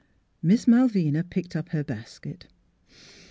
Miss Malvina picked up her basket.